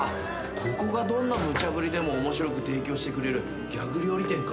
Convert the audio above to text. ここがどんな無茶振りでも面白く提供してくれるギャグ料理店か。